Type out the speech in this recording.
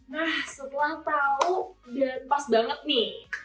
nah setelah tahu dan pas banget nih